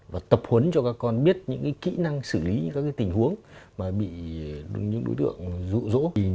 và tập huấn cho các con biết những cái kỹ năng xử lý các cái tình huống mà bị những đối tượng dụ dỗ